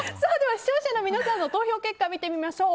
視聴者の皆さんの投票結果を見てみましょう。